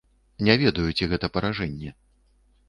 Не ведаю, ці гэта паражэнне.